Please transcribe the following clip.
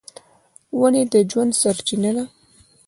ونې د ژوند سرچینه ده.